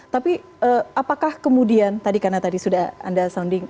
tapi apakah kemudian tadi karena tadi sudah anda sounding